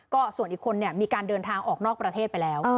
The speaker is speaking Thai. ก็ส่วนอีกคนเนี่ยมีการเดินทางออกนอกประเทศไปแล้ว